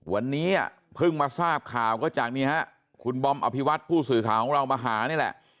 วันนี้เพิ่งมาทราบข่าวก็จากนี้ฮะคุณบอมอภิวัตผู้สื่อข่าวของเรามาหานี่แหละ